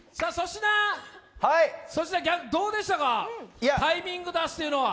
粗品、どうでしたかタイミング出すというのは。